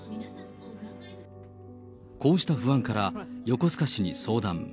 こうした不安から横須賀市に相談。